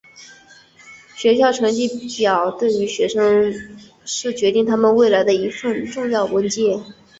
学校成绩表对于学生是决定他们未来的一份重要的文件。